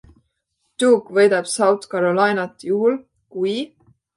Duke võidab South Carolinat juhul, kui...